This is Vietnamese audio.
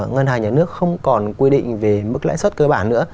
ngân hàng nhà nước không còn quy định về mức lãi suất cơ bản nữa